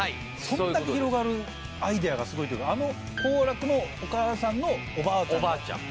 そんだけ広がるアイデアがすごいというか幸楽のお母さんのおばあちゃん